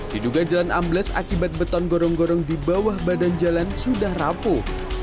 diduga jalan ambles akibat beton gorong gorong di bawah badan jalan sudah rapuh